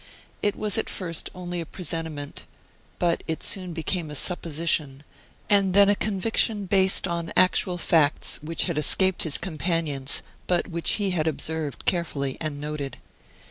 It was at first only a presentiment, but it soon became a supposition, and then a conviction based upon actual facts, which had escaped his companions, but which he had observed and carefully noted.